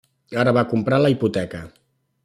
Ara va comprar la hipoteca.